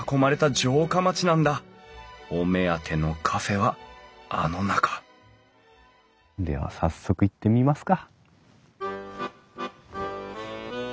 お目当てのカフェはあの中では早速行ってみますか。